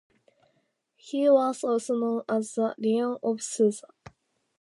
He was also known as the "Lion of Susa".